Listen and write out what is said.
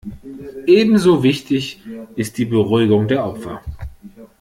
Ebenso wichtig ist die Beruhigung der Opfer.